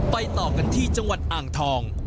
ต่อกันที่จังหวัดอ่างทอง